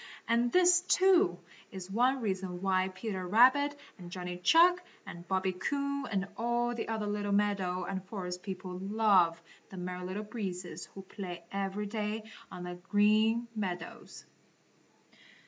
And this, too, is one reason why Peter Rabbit and Johnny Chuck and Bobby Coon and all the other little meadow and forest people love the Merry Little Breezes who play every day on the Green Meadows.